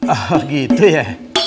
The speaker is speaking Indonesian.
oh gitu ya